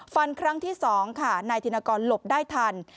ฟันครั้งที่๒ค่ะนายธินกรหลบได้ทัน